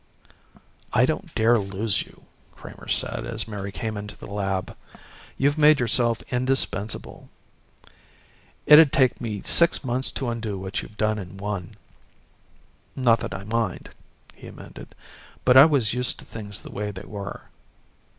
"I don't dare lose you," Kramer said as Mary came into the lab. "You've made yourself indispensable. It'd take me six months to undo what you've done in one. Not that I mind," he amended, "but I was used to things the way they were."